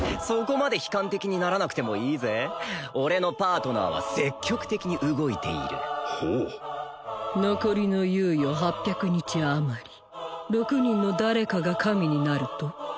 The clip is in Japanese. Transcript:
そこまで悲観的にならなくてもいいぜ俺のパートナーは積極的に動いているほう残りの猶予８００日余り６人の誰かが神になると？